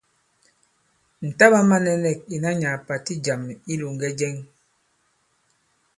Ŋ̀ taɓā mānɛ̄nɛ̂k ìnà nyàà pàti ì jàm i ilōŋgɛ jɛŋ.